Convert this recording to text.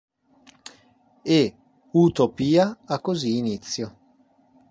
E Utopia ha così inizio.